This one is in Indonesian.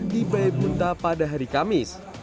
di baibunta pada hari kamis